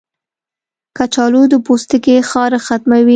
کچالو د پوستکي خارښ ختموي.